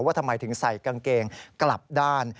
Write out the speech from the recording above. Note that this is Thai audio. ว่าทำไมถึงใส่กางเกงกลับด้าน